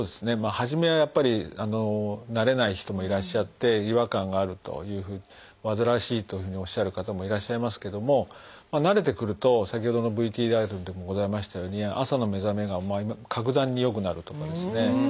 初めはやっぱり慣れない人もいらっしゃって違和感があるというふうにわずらわしいというふうにおっしゃる方もいらっしゃいますけども慣れてくると先ほどのＶＴＲでもございましたように朝の目覚めが格段に良くなると思いますね。